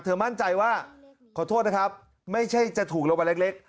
มั่นใจว่าขอโทษนะครับไม่ใช่จะถูกรางวัลเล็ก